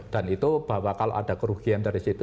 dan itu bahwa kalau ada kerugian dari situ